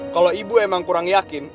kalo ibu kurang yakin